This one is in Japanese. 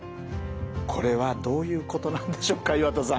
これはどういうことなんでしょうか岩田さん。